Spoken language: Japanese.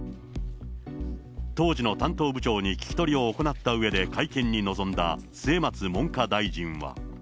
当時の担当部長に聞き取りを行ったうえで、会見に臨んだ末松文科大臣は。